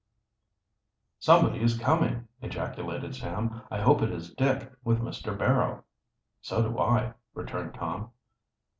"Somebody is coming!" ejaculated Sam. "I hope it is Dick, with Mr. Barrow!" "So do I," returned Tom.